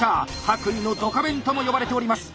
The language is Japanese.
「白衣のドカベン」とも呼ばれております。